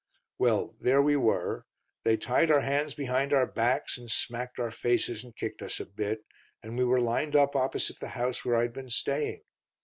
"Well there we were. They tied our hands behind our backs, and smacked our faces and kicked us a bit, and we were lined up opposite the house where I'd been staying.